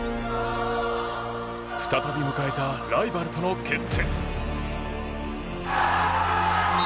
再び迎えたライバルとの決戦。